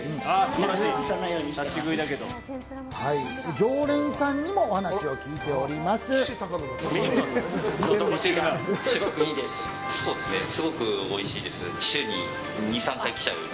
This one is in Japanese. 常連さんにもお話を聞いております。